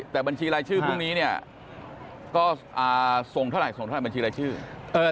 แต่บัญชีรายชื่อพรุ่งนี้เนี่ยก็ส่งเท่าไหรส่งเท่าบัญชีรายชื่อ